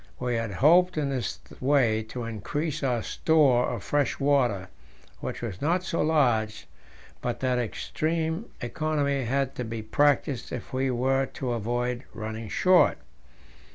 We had hoped in this way to increase our store of fresh water, which was not so large but that extreme economy had to be practised if we were to avoid running short.